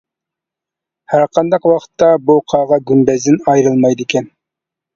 ھەرقانداق ۋاقىتتا بۇ قاغا گۈمبەزدىن ئايرىلمايدىكەن.